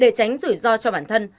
để tránh rủi ro cho bản thân